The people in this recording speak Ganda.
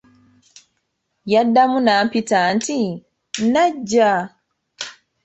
Yaddamu n'ampita nti, "Nnajja?"